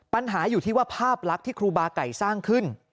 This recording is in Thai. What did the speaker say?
ปัญหาอยู่ที่ว่าภาพลักษณ์ที่ครูบาไก่สร้างขึ้น